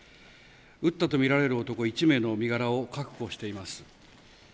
撃ったと見られる男１名の身柄を確保しています。